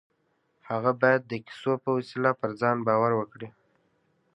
هغه بايد د کيسو په وسيله پر ځان باور کړي.